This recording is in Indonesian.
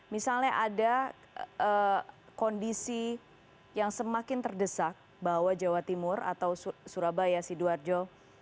misalnya ada kondisi yang semakin terdesak bahwa jawa timur atau surabaya sidoarjo